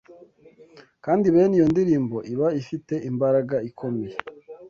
Kandi bene iyo ndirimbo iba ifite imbaraga ikomeye